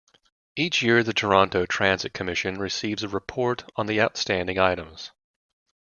Each year the Toronto Transit Commission receives a report on the outstanding items.